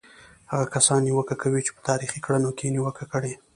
هغه کسان نیوکه کوي چې په تاریخي کړنو کې یې نیوکه کړې.